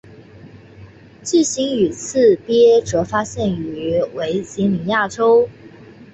巨型羽翅鲎则发现于维吉尼亚州。